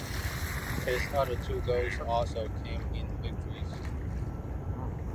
His other two goals also came in victories.